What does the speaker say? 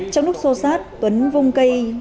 trong lúc xô sát tuấn vung cây